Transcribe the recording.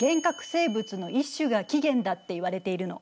生物の一種が起源だっていわれているの。